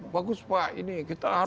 bagus pak ini kita harusnya menang